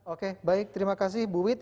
oke baik terima kasih bu wit